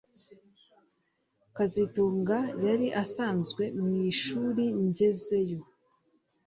kazitunga yari asanzwe mwishuri ngezeyo